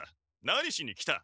何しに来た？